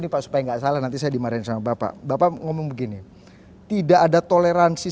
ini pak supaya enggak salah nanti saya dimarahin sama bapak bapak ngomong begini tidak ada toleransi